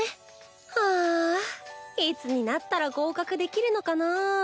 はぁあいつになったら合格できるのかなぁ。